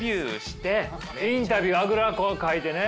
インタビューはあぐらかいてね